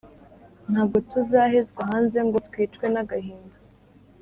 Ntabwo tuzahezwa hanze ngo twicwe n’agahinda